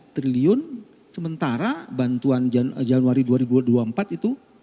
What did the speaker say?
tiga triliun sementara bantuan januari dua ribu dua puluh empat itu